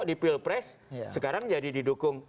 di pilpres sekarang jadi didukung